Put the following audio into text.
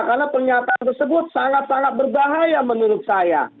karena pernyataan tersebut sangat sangat berbahaya menurut saya